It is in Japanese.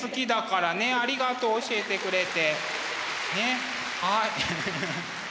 すてきだねありがとう教えてくれて。